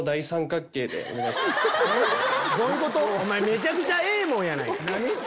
めちゃくちゃええもんやないか！